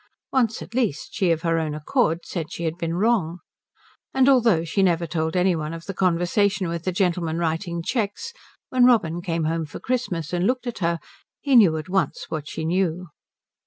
Once at least she of her own accord said she had been wrong. And although she never told any one of the conversation with the gentleman writing cheques, when Robin came home for Christmas and looked at her he knew at once what she knew.